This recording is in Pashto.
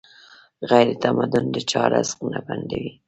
غیرتمند د چا رزق نه بندوي